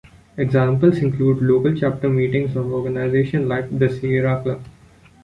Examples include local chapter meetings of organizations like the Sierra Club.